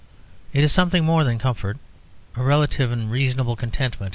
It is something more than comfort; a relative and reasonable contentment.